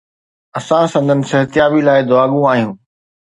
اسان سندن صحتيابي لاءِ دعاگو آهيون.